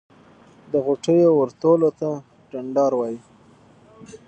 د غوټیو ورتولو ته ډنډار وایی.